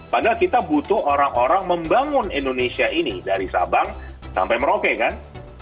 padahal kita butuh orang orang membangun indonesia ini dari sabang sampai merauke kan